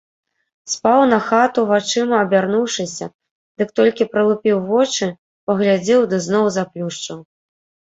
Спаў на хату вачыма абярнуўшыся, дык толькі пралупіў вочы, паглядзеў ды зноў заплюшчыў.